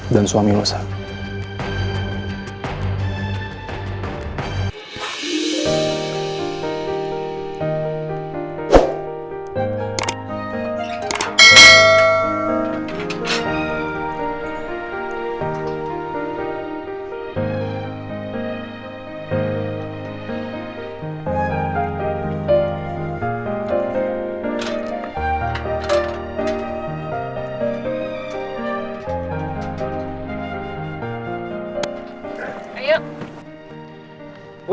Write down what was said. dan suami lo sakit